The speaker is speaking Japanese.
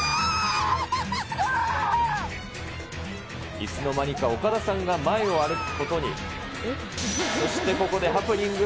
いつの間にか岡田さんが前を歩くことに。